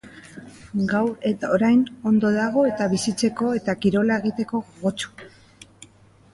Gaur eta orain ondo dago eta bizitzeko eta kirola egiteko gogotsu.